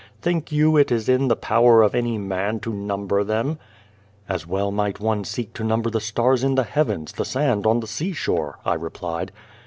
" Think you it is in the power of any man to number them ?"" As well might one seek to number the stars in the heavens, the sand on the sea shore !" I replied.